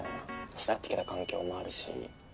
育ってきた環境もあるし。